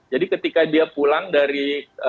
jadi ketika dia pulang dari